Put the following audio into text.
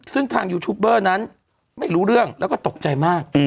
ซึ่งทางยูทูปเบอร์นั้นไม่รู้เรื่องแล้วก็ตกใจมาก